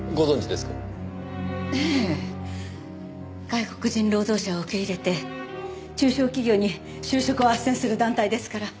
外国人労働者を受け入れて中小企業に就職を斡旋する団体ですから。